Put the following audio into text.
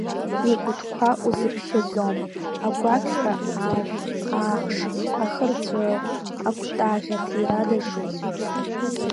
Икәытқәа узыԥхьаӡом, агәақьҳәа ашә, ахш, ахырҵәы, акәтаӷь аҭира даҿуп.